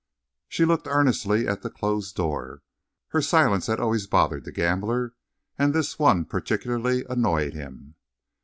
She looked earnestly at the closed door. Her silence had always bothered the gambler, and this one particularly annoyed him.